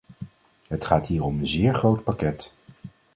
Het gaat hier om een zeer groot pakket.